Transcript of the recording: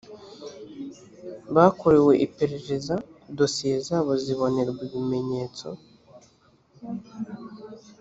bakorewe iperereza dosiye zabo zibonerwa ibimenyetso